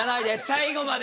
最後まで。